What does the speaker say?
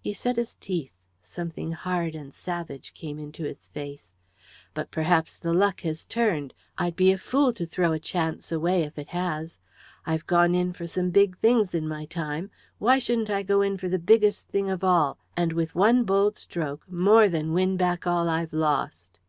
He set his teeth; something hard and savage came into his face. "But perhaps the luck has turned. I'd be a fool to throw a chance away if it has. I've gone in for some big things in my time; why shouldn't I go in for the biggest thing of all, and with one bold stroke more than win back all I've lost?"